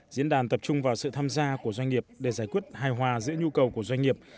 diễn đàn tập trung vào sự tham gia của doanh nghiệp để giải quyết hài hòa giữa nhu cầu của doanh nghiệp